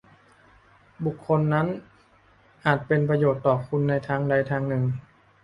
บุคคลนั้นอาจเป็นประโยชน์ต่อคุณในทางใดทางหนึ่ง